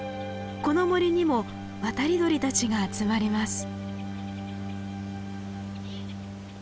この森にも渡り鳥たちが集まります。